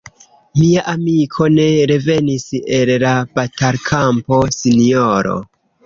“Mia amiko ne revenis el la batalkampo, sinjoro.